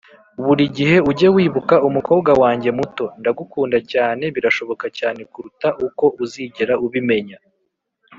buri gihe ujye wibuka "umukobwa wanjye muto", ndagukunda cyane- birashoboka cyane kuruta uko uzigera ubimenya